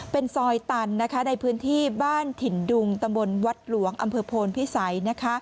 เป็นซอยตันในพื้นที่บ้านถิ่นดุงตำบลวัดหลวงอำเภอโพนพิสัย